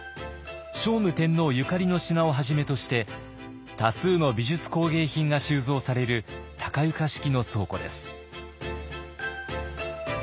聖武天皇ゆかりの品をはじめとして多数の美術工芸品が収蔵される高床式の倉庫です。